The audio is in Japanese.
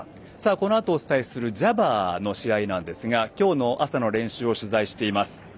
このあとお伝えするジャバーの試合ですが今日の朝の練習を取材しています。